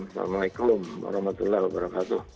assalamualaikum warahmatullahi wabarakatuh